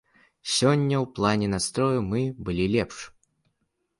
Сёння ў плане настрою мы былі лепш.